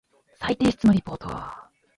再提出のリポート